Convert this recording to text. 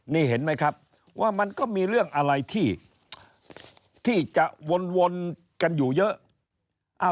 นี่เห็นไหมครับว่ามันก็มีเรื่องอะไรที่จะวนกันอยู่เยอะ